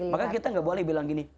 maka kita nggak boleh bilang gini